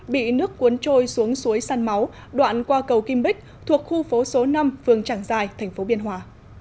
bị nước cuốn trôi xuống suối săn máu đoạn qua cầu kim bích thuộc khu phố số năm phường tràng giài tp biên hòa